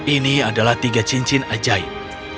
ini adalah tiga cincin ajaib